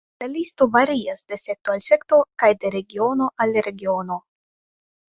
La listo varias de sekto al sekto, kaj de regiono al regiono.